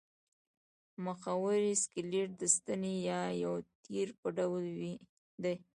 محوري سکلېټ د ستنې یا یو تیر په ډول دی.